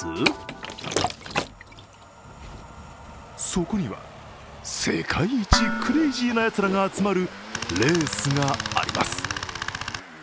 そこには世界一クレイジーなやつらが集まるレースがあります。